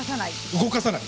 動かさない。